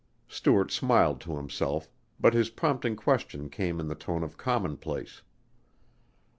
Stuart smiled to himself, but his prompting question came in the tone of commonplace.